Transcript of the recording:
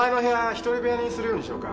一人部屋にするようにしようか。